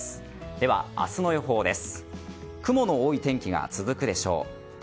では、明日の予報です。